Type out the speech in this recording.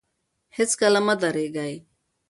هېڅکله مه درېږئ.